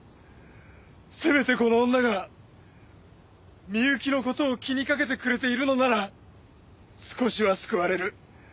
せめてこの女が深雪のことを気にかけてくれているのなら少しは救われる。